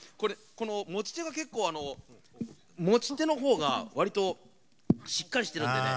この持ち手が結構持ち手のほうがわりとしっかりしてるんでね。